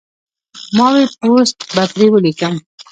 ما وې پوسټ به پرې وليکم